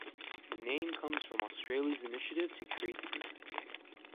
The name comes from Australia's initiative to create the group.